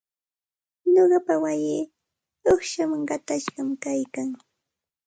Nuqapa wayii uqshawan qatashqam kaykan.